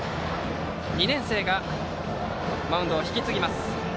２年生がマウンドを引き継ぎます。